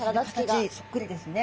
形そっくりですね。